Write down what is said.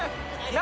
何？